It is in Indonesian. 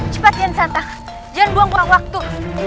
cepat gensantang jangan buang buang waktu